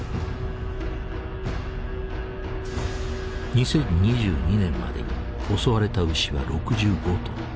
２０２２年までに襲われた牛は６５頭。